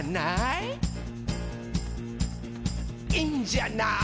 「いいんじゃない？」